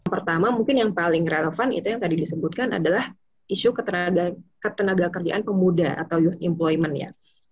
pertama mungkin yang paling relevan itu yang tadi disebutkan adalah isu ketenaga kerjaan pemuda atau youth employment ya